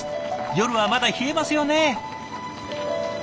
夜はまだ冷えますよね。